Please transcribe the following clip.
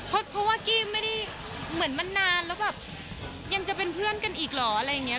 เพราะว่ากี้ไม่ได้เหมือนมันนานแล้วแบบยังจะเป็นเพื่อนกันอีกเหรออะไรอย่างนี้